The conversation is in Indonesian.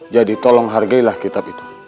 jadi tolong hargailah kitab itu